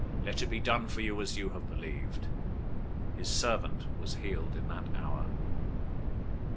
Let it be done for you as you have believed." His servant was healed in that hour.